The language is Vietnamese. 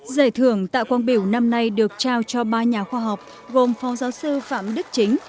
giải thưởng tạ quang biểu năm nay được trao cho ba nhà khoa học gồm phó giáo sư phạm đức chính